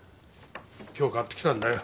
今日買ってきたんだよ。